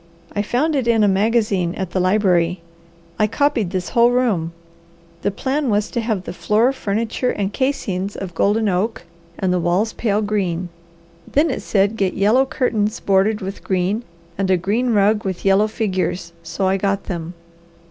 "I found it in a magazine at the library. I copied this whole room. The plan was to have the floor, furniture, and casings of golden oak and the walls pale green. Then it said get yellow curtains bordered with green and a green rug with yellow figures, so I got them.